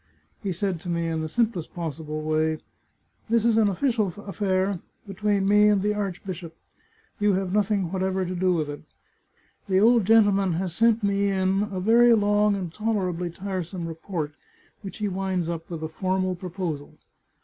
He said to me in the simplest possible way :' This is an official affair between me and the archbishop. You have nothing whatever to do with it. The old gentleman has sent me in a very long and tolerably tiresome report, which he winds up with a formal proposal.